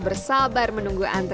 bisa akan ke em immigrant